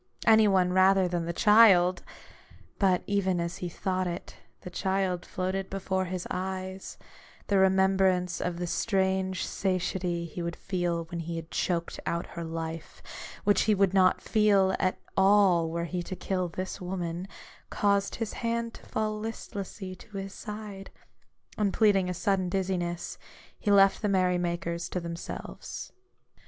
Any one rather than the child ! But even as he thought it, the child floated before his eyes; the remembrance of the strange satiety he would feel when he had choked out her life, which he would not feel at all were he to kill this woman, caused his hand to fall listlessly to his side; and pleading a sudden dizziness, he left the merry makers to themselves.